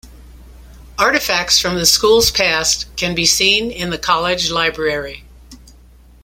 Artifacts from the schools' past can be seen in the College library.